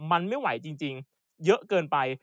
มันไม่ไหวจริงเยอะเกินไป